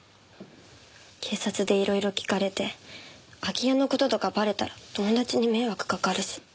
警察でいろいろ聞かれて空き家の事とかバレたら友達に迷惑かかるし。